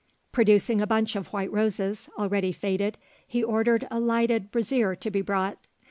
Producing a bunch of white roses, already faded, he ordered a lighted brazier to be brought.